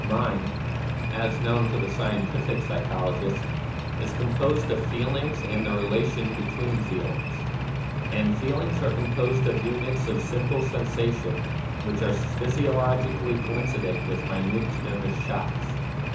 Mind, as known to the scientific psychologist, is composed of feel ings and the relations between feelings; and feelings are composed of units of simple sen sation which are physiologically coincident with minute nervous shocks.